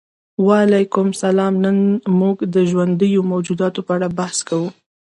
وعلیکم السلام نن موږ د ژوندیو موجوداتو په اړه بحث کوو